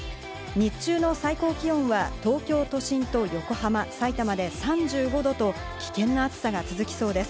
日中の最高気温は東京都心と横浜、埼玉で３５度と危険な暑さが続きそうです。